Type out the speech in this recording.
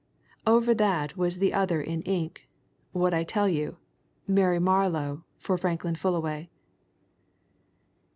Over that was the other in ink what I tell you: Mary Marlow for Frank Fullaway."